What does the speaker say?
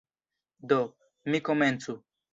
Do, mi komencu!